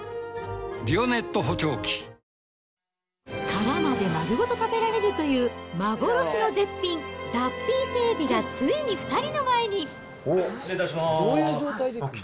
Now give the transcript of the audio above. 殻まで丸ごと食べられるという、幻の絶品、脱皮伊勢海老がついに２人の前に。